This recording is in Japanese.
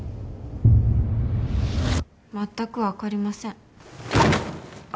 全くわかりません。